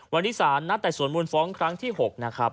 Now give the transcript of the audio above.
วันนี้สารนัดแต่สวนมูลฟ้องครั้งที่๖นะครับ